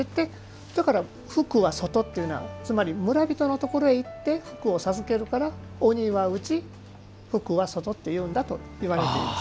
だから、福は外っていうのは村人のところに行って福を授けるから「鬼は内、福は外」って言うんだといわれています。